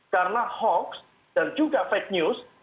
karena hoax dan juga fake news